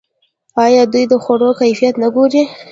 آیا دوی د خوړو کیفیت نه ګوري؟